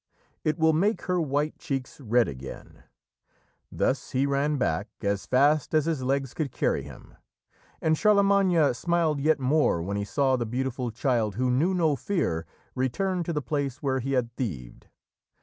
It will make her white cheeks red again." Thus he ran back, as fast as his legs could carry him, and Charlemagne smiled yet more when he saw the beautiful child, who knew no fear, return to the place where he had thieved.